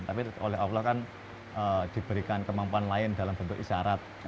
tapi oleh allah kan diberikan kemampuan lain dalam bentuk isyarat